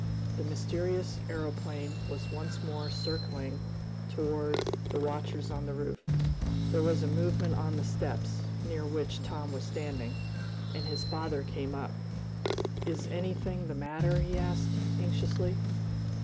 The mysterious aeroplane was once more circling toward the watchers on the roof. There was a movement on the steps, near which Tom was standing, and his father came up. "Is anything the matter?" he asked anxiously.